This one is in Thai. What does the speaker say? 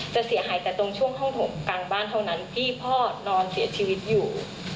เสียหายแต่ตรงช่วงห้องถงกลางบ้านเท่านั้นที่พ่อนอนเสียชีวิตอยู่